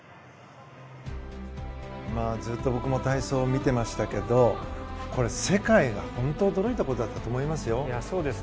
ずっと僕も体操を見てましたけどこれ世界が本当に驚いたことだと思いますよ。